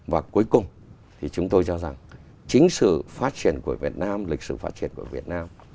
và cuối cùng thì chúng tôi cho rằng chính sự phát triển của việt nam lịch sử phát triển của việt nam